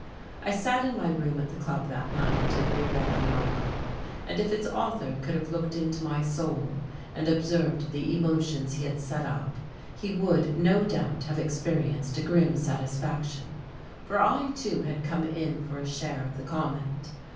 I sat in my room at the Club that night and reread the article, and if its author could have looked into my soul and observed the emotions he had set up, he would, no doubt, have experienced a grim satisfaction. For I, too, had come in for a share of the comment.